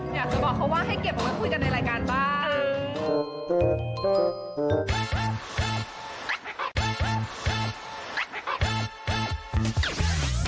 เพราะว่าให้เก็บเอาไว้พูดกันในรายการบ้าง